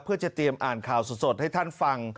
เพื่อจะเตรียมอ่านข่าวสดให้ท่านฟัง